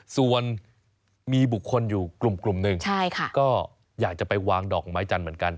ส่วนมีบุคคลอยู่กลุ่มหนึ่งก็อยากจะไปวางดอกไม้จันทร์เหมือนกัน